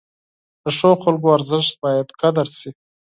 د ښو خلکو ارزښت باید قدر شي.